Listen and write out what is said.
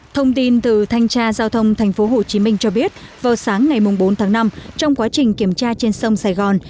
thông tin từ thanh tra giao thông tp hcm cho biết vào sáng ngày bốn tháng năm trong quá trình kiểm tra trên sông sài gòn